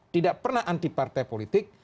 tidak pernah anti partai politik